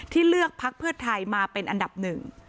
เลือกพักเพื่อไทยมาเป็นอันดับหนึ่ง